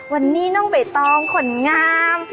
วันนี้น้องใบตองขนงาม